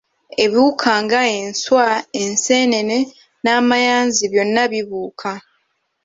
Ebiwuka nga enswa, enseenene n'amayanzi byonna bibuuka.